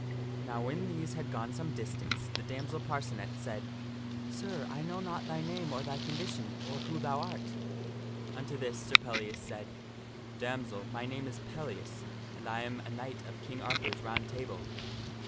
Now when these had gone some distance the damsel Parcenet said, " Sir, I know not thy name or thy condition, or who thou art ?" Unto this Sir Pellias said, " Damsel, my name is Pellias and I am a knight of King Arthur's Round Table."